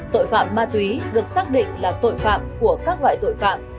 tội phạm ma túy được xác định là tội phạm của các loại tội phạm